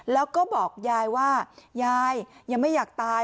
แล้วก็บอกยายว่ายายยังไม่อยากตาย